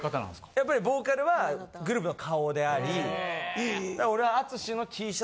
やっぱりボーカルはグループの顔であり。